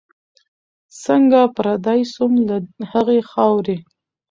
څنګه پردی سوم له هغي خاوري